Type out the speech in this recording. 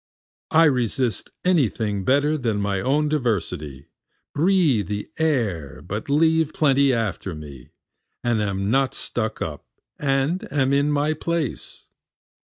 I resist any thing better than my own diversity, Breathe the air but leave plenty after me, And am not stuck up, and am in my place.